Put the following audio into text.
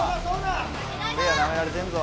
せいやなめられてんぞ。